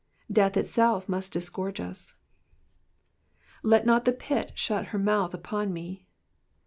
Death itself must disgorge us. ^^Let not the pit shut lev mouth ttpon me."